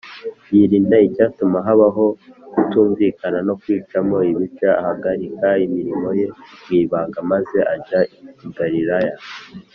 . Yirinda icyatuma habaho kutumvikana no kwicamo ibice, Ahagarika imirimo ye mw’ibanga, maze ajya i Galilaya